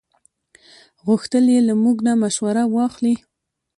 غوښتل یې له موږ نه مشوره واخلي.